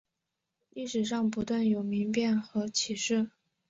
历史上不断有民变和起事。